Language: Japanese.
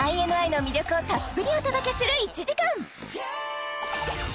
ＩＮＩの魅力をたっぷりお届けする１時間！